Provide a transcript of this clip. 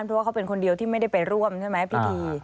เพราะว่าเขาเป็นคนเดียวที่ไม่ได้ไปร่วมใช่ไหมพิธี